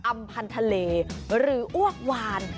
ำพันธเลหรืออ้วกวาน